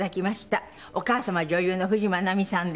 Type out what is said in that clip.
お母様は女優の冨士眞奈美さんです。